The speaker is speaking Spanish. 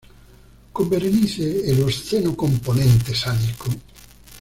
Con "Berenice", el obsceno componente sádico.